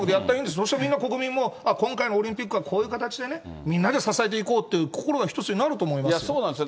そうしたら国民も、今回のオリンピックはこういう形でね、みんなで支えていこうっていう、心が一つになると思いますよ。